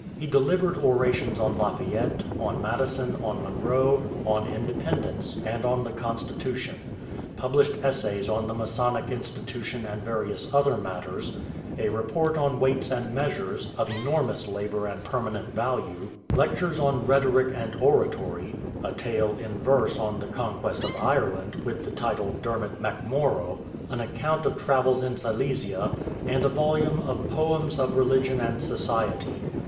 He delivered orations on Lafayette, on Madison, on Monroe, on Independence, and on the Constitution; published essays on the Masonic Institution and various other matters; a report on weights and measures, of enormous labor and permanent value; Lectures on Rhetoric and Oratory; a tale in verse on the Conquest of Ireland, with the title 'Dermot MacMorrogh'; an account of Travels in Silesia; and a volume of 'Poems of Religion and Society.'